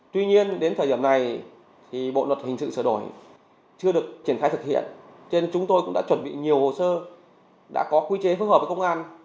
tuy nhiên đến thời điểm này thì bộ luật hình sự sửa đổi chưa được triển khai thực hiện cho nên chúng tôi cũng đã chuẩn bị nhiều hồ sơ đã có quy chế phối hợp với công an